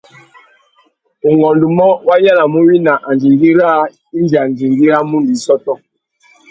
Ungôndumô, wa yānamú wina andjingüî râā indi andjingüî râ mundu i sôtô.